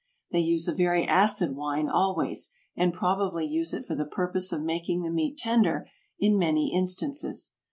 They use a very acid wine always, and probably use it for the purpose of making the meat tender in many instances.